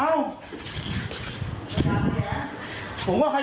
ไม่รับความเป็นธรรม